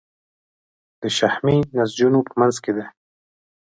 د شحمي نسجونو په منځ کې دي.